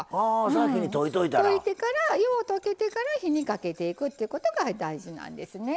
溶いてからよう溶けてから火にかけていくっていうことが大事なんですね。